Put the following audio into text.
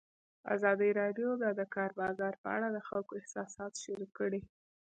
ازادي راډیو د د کار بازار په اړه د خلکو احساسات شریک کړي.